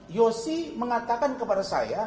yosi mengatakan kepada saya